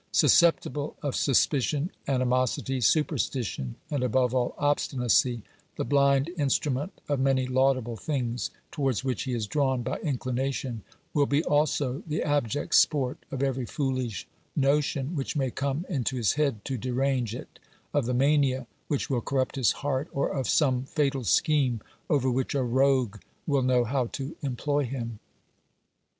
Susceptible of suspicion, animosity, superstition, and above all, obstinacy, the blind instru ment of many laudable things towards which he is drawn by inclination will be also the abject sport of every foolish notion which may come into his head to derange it, of the mania which will corrupt his heart, or of some fatal scheme over which a rogue will know how to employ him.